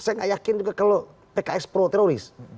saya nggak yakin juga kalau pks pro teroris